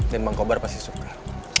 dan bang kobar pasti suka